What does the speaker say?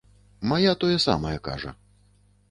Мая тое самае кажа.